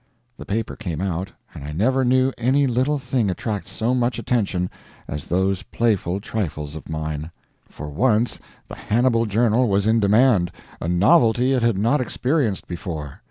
The paper came out, and I never knew any little thing attract so much attention as those playful trifles of mine. For once the Hannibal Journal was in demand a novelty it had not experienced before.